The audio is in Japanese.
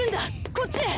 こっちへ！